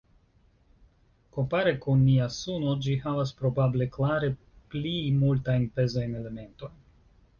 Kompare kun nia Suno ĝi havas probable klare pli multajn pezajn elementojn.